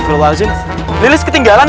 lulul kok bisa kok bisa ketinggalan sih